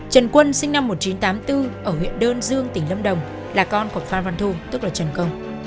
trần quân sinh năm một nghìn chín trăm tám mươi bốn ở huyện đơn dương tỉnh lâm đồng là con của phan văn thu tức là trần công